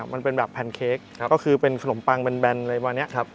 มันเป็นแบบแพนเค้กก็คือเป็นขนมปังแบนอะไรแบบนี้